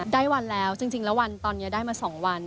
ได้วันแล้วจริงแล้ววันตอนนี้ได้มา๒วัน